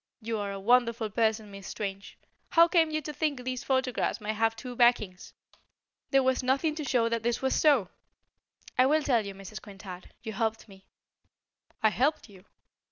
You are a wonderful person, Miss Strange. How came you to think these photographs might have two backings? There was nothing to show that this was so." "I will tell you, Mrs. Quintard. You helped me." "I helped you?"